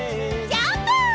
ジャンプ！